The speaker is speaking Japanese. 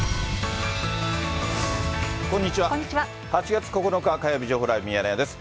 ８月９日火曜日、情報ライブミヤネ屋です。